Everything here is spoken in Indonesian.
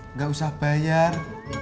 enggak usah bayar